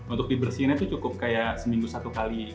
untuk dibersihinnya itu cukup kayak seminggu satu kali